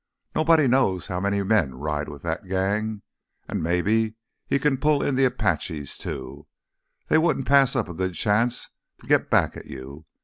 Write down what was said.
Nobody knows how many men ride with that gang—and maybe he can pull in the Apaches, too. They wouldn't pass up a good chance to get back at you.